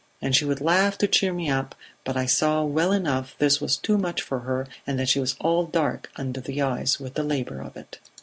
And she would laugh to cheer me up, but I saw well enough this was too much for her, and that she was all dark under the eyes with the labour of it.